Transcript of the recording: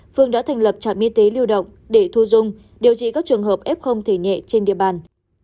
phường đã thành lập trạm y tế lưu động để thu dung điều trị các trường hợp ép không thể nhẹ trên địa bàn